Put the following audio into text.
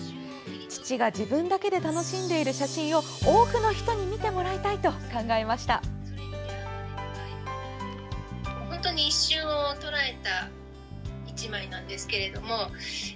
父が自分だけで楽しんでいる写真を多くの人に見てもらいたいと考えました。